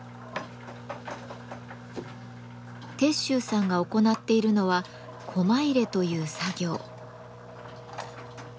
鉄舟さんが行っているのはコマ入れという作業。